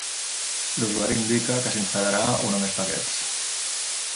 L'usuari indica que s'instal·larà un o més paquets.